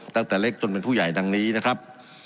ตั้งแต่เล็กจนเป็นผู้ใหญ่ดังนี้นะครับ